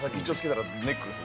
体格ネックレス。